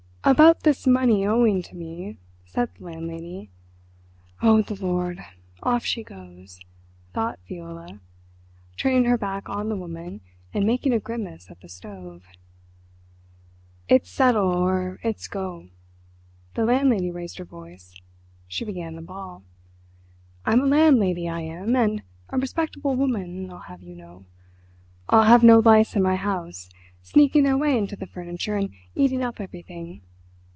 "About this money owing to me—" said the landlady. "Oh, the Lord—off she goes!" thought Viola, turning her back on the woman and making a grimace at the stove. "It's settle—or it's go!" The landlady raised her voice; she began to bawl. "I'm a landlady, I am, and a respectable woman, I'll have you know. I'll have no lice in my house, sneaking their way into the furniture and eating up everything.